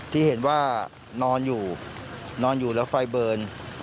ที่เห็นว่านอนอยู่นอนอยู่แล้วไฟเบิร์น